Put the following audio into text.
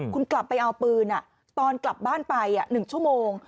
คุณกลับไปเอาปืนตอนกลับบ้านไป๑ชั่วโมง